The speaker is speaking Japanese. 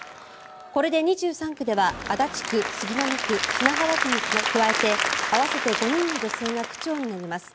これで２３区では足立区、杉並区、品川区に加えて合わせて５人の女性が区長になります。